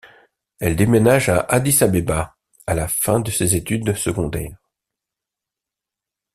Elle déménage à Addis-Abeba à la fin des ses études secondaires.